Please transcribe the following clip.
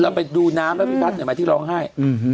เราไปดูน้ำแล้วพี่ปั๊ดเดี๋ยวมาที่ร้องให้